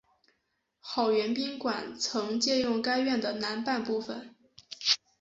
好园宾馆曾借用该院的南半部分。